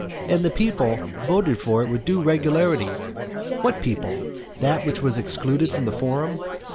"and the people voted it with due regularity" What people? that which was excluded from the forum?